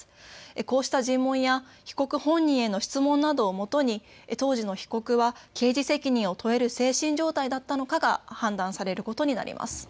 こうした尋問や被告本人への質問などをもとに当時の被告は刑事責任を問える精神状態だったのかが判断されます。